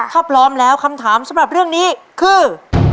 ถ้าพร้อมแล้วคำถามสำหรับเรื่องนี้คือ